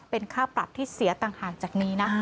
เป็นค่าปรับที่เสียต่างหากจากนี้นะ